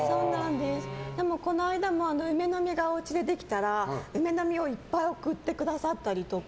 この間も、梅の実ができたら梅の実をいっぱい送ってくださったりとか。